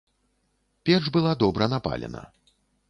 Печ была добра напалена.